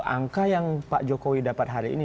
angka yang pak jokowi dapat hari ini